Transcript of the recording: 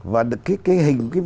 và cái hình